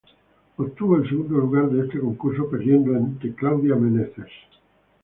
Obtuvo el segundo lugar de ese concurso, perdiendo ante Claudia Menezes.